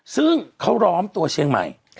ซึ่งเขาล้อมตัวเชียงใหม่